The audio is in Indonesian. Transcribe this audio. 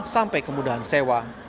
sampai kemudahan sewa